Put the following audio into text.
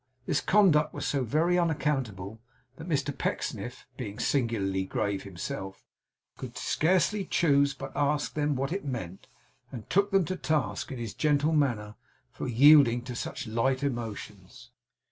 This conduct was so very unaccountable, that Mr Pecksniff (being singularly grave himself) could scarcely choose but ask them what it meant; and took them to task, in his gentle manner, for yielding to such light emotions.